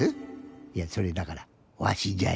いやそれだからわしじゃよ。